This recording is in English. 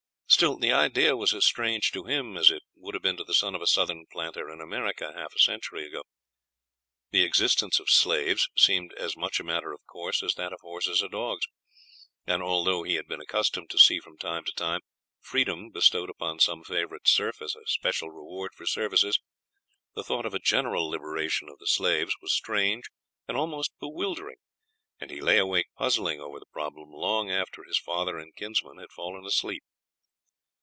Still the idea was as strange to him as it would have been to the son of a southern planter in America half a century ago. The existence of slaves seemed as much a matter of course as that of horses or dogs, and although he had been accustomed to see from time to time freedom bestowed upon some favourite serf as a special reward for services, the thought of a general liberation of the slaves was strange and almost bewildering, and he lay awake puzzling over the problem long after his father and kinsman had fallen asleep.